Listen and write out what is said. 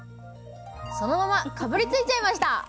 そのままかぶりついちゃいました！